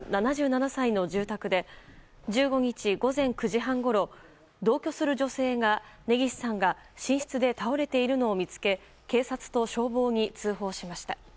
根岸三男さん、７７歳の住宅で１５日午前９時半ごろ同居する女性が根岸さんが寝室で倒れているのを見つけ警察と消防に通報しました。